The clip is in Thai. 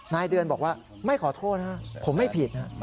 นายเดือนบอกว่าไม่ขอโทษนะผมไม่ผิด